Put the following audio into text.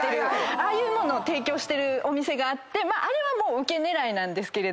ああいう物を提供してるお店があってあれはウケ狙いですけど。